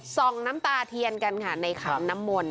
ส่องน้ำตาเทียนกันค่ะในขามน้ำมน